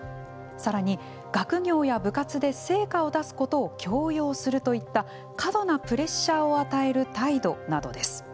さらに、学業や部活で成果を出すことを強要するといった過度なプレッシャーを与える態度などです。